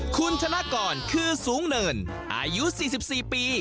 คุณธนกรคือสูงเนินอายุ๔๔ปี